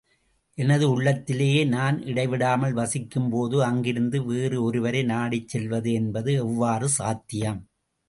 உனது உள்ளத்திலேயே நான் இடைவிடாமல் வசிக்கும் போது அங்கிருந்து வேறு ஒருவரை நாடிச்செல்வது என்பது எவ்வாறு சாத்தியம்?